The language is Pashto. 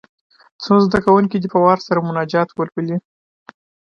څو زده کوونکي دې په وار سره مناجات ولولي.